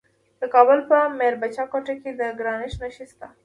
د کابل په میربچه کوټ کې د ګرانیټ نښې شته.